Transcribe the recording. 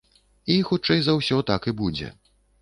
І хутчэй за ўсё, так і будзе.